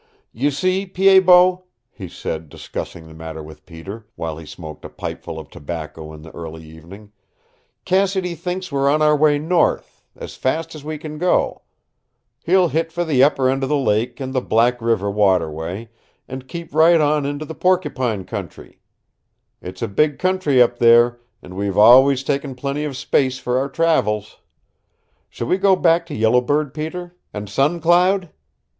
"You see, Pied Bot," he said, discussing the matter with Peter, while he smoked a pipeful of tobacco in the early evening, "Cassidy thinks we're on our way north, as fast as we can go. He'll hit for the upper end of the Lake and the Black River waterway, and keep right on into the Porcupine country. It's a big country up there, and we've always taken plenty of space for our travels. Shall we go back to Yellow Bird, Peter? And Sun Cloud?"